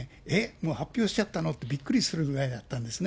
もう発表しちゃったの？ってびっくりするぐらいだったんですね。